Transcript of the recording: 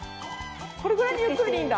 これぐらいゆっくりでいいんだ。